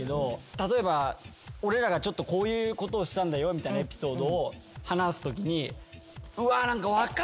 例えば俺らがこういうことをしたんだよみたいなエピソードを話すときに。